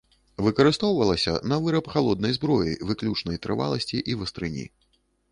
Выкарыстоўвалася на выраб халоднай зброі выключнай трываласці і вастрыні.